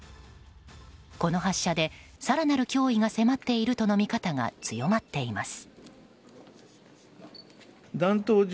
この発射で更なる脅威が迫っているとの見方が強まっています。